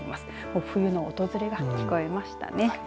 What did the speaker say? もう冬の訪れが聞こえましたね。